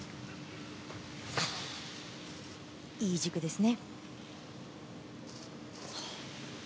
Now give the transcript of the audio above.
いい軸ですね。